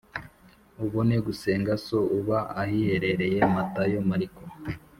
ubone gusenga So uba ahiherereye Matayo Mariko